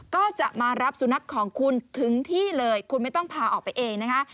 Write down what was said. ก็จะมารับสุนัขของคุณถึงที่เลยคุณไม่ต้องพาออกไปเองนะคะ